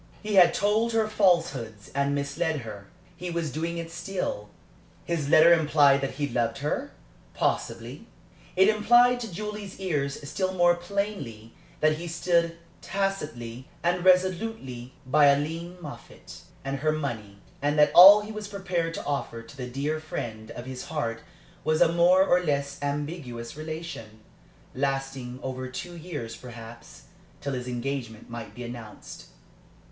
He had told her falsehoods and misled her. He was doing it still. His letter implied that he loved her? Possibly. It implied to Julie's ear still more plainly that he stood tacitly and resolutely by Aileen Moffatt and her money, and that all he was prepared to offer to the dear friend of his heart was a more or less ambiguous relation, lasting over two years perhaps till his engagement might be announced.